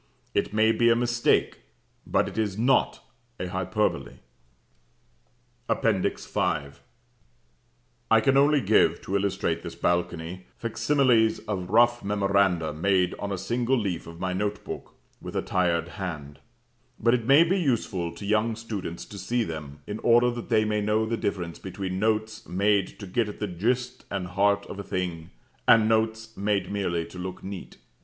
It may be a mistake but it is not a hyperbole." APPENDIX V. I can only give, to illustrate this balcony, fac similes of rough memoranda made on a single leaf of my note book, with a tired hand; but it may be useful to young students to see them, in order that they may know the difference between notes made to get at the gist and heart of a thing, and notes made merely to look neat.